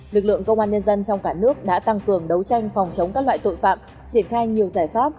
lực lượng công an nhân dân trong cả nước đã tăng cường đấu tranh phòng chống các loại tội phạm triển khai nhiều giải pháp